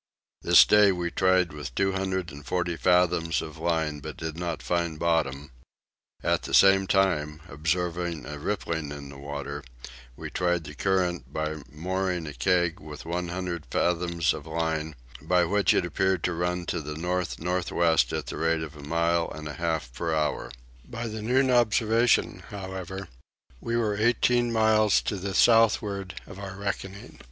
This day we tried with two hundred and forty fathoms of line but did not find bottom; at the same time, observing a rippling in the water, we tried the current by mooring a keg with one hundred fathoms of line, by which it appeared to run to the north north west at the rate of a mile and a half per hour. By the noon observation however we were eighteen miles to the southward of our reckoning.